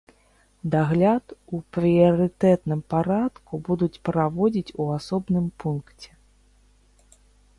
Дагляд у прыярытэтным парадку будуць праводзіць у асобным пункце.